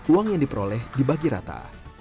uang yang diperoleh dibagi rata